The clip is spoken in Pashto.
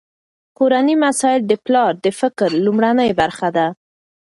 کورني مسایل د پلار د فکر لومړنۍ برخه ده.